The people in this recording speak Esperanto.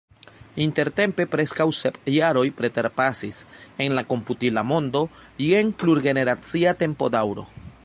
Intertempe preskaŭ sep jaroj preterpasis – en la komputila mondo jen plurgeneracia tempodaŭro.